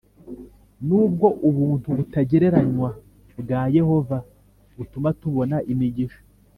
Nubwo ubuntu butagereranywa bwa Yehova butuma tubona imigisha